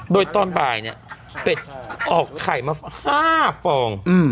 โดยตอนบ่ายเนี่ยเป็ดออกไข่มา๕ฟอง